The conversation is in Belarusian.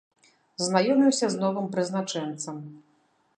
Знаёмімся з новым прызначэнцам.